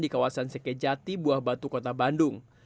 di kawasan sekejati buah batu kota bandung